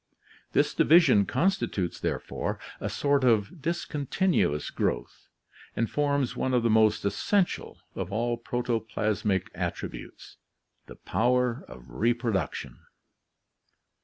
This division constitutes, therefore, a sort of discontinuous growth, and forms one of the most essential of all protoplasmic attributes, the power of reproduction.